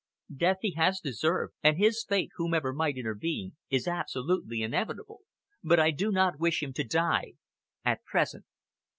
Death he has deserved, and his fate, whomever might intervene, is absolutely inevitable. But I do not wish him to die at present!"